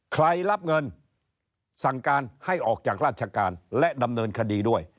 รับเงินสั่งการให้ออกจากราชการและดำเนินคดีด้วย